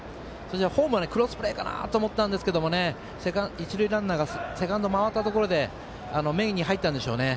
ホームはクロスプレーかなと思ったんですけど一塁ランナーがセカンド回ったところで目に入ったんでしょうね。